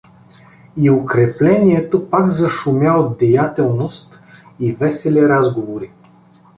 И укреплението пак зашумя от деятелност и весели разговори.